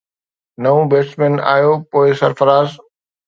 نئون بيٽسمين آيو پوءِ سرفراز